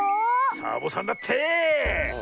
サボさんだって！